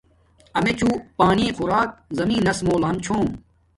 امیچوں پانی خوراک زمینس موہ لم چھوم